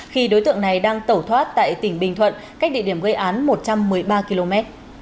khi đối tượng này đang tẩu thoát tại tỉnh bình thuận cách địa điểm gây án một trăm một mươi ba km